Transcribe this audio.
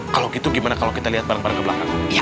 kalau gitu gimana kalau kita lihat bareng bareng ke belakang